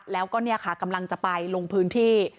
แล้วก็เนี่ยค่ะกำลังจะไปลงพื้นที่